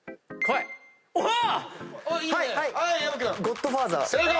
『ゴッドファーザー』正解！